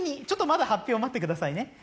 ちょっとまだ発表は待ってくださいね。